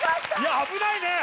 危ないね！